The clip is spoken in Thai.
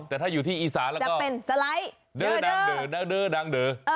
แต่ที่อีสานจะเป็นสไลด์เดอร์เดอร์ดัง